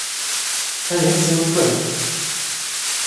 Tgei essan nus suenter?